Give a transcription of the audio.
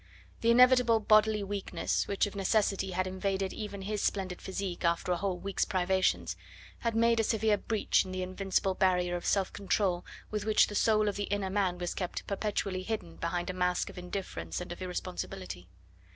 The inevitable bodily weakness, which of necessity had invaded even his splendid physique after a whole week's privations, had made a severe breach in the invincible barrier of self control with which the soul of the inner man was kept perpetually hidden behind a mask of indifference and of irresponsibility.